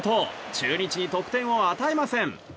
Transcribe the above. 中日に得点を与えません。